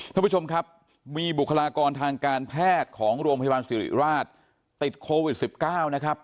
ท่านผู้ชมครับมีบุคลากรทางการแพทย์ของโรงพยาบาลสิริราชติดโควิด๑๙นะครับ